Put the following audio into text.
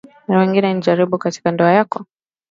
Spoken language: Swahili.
Pengine ni jaribu katika ndoa yako.